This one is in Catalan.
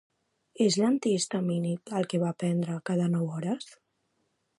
És l'antihistamínic el què m'he de prendre cada nou hores?